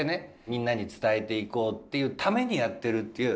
みんなに伝えていこうっていうためにやってるっていう。